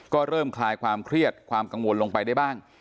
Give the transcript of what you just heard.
ก็เริ่มคลายความเครียดความกังวลลงไปได้บ้าง